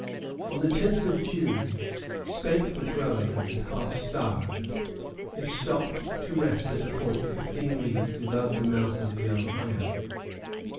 On the 10th of June, spent with rowing, and half starved, they stopped to rest at a point fifteen leagues above the mouth of the Ohio.